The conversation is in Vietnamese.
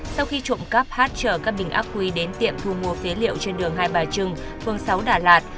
sau khi trộm cắp h chở các bình ác quỷ đến tiệm thu mua phế liệu trên đường hai bà trưng phường sáu đà lạt